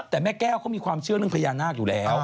แต่แม่แก้วเขามีความเชื่อเรื่องพญานาคอยู่แล้ว